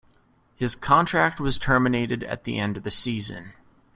His contract was terminated at the end of the season.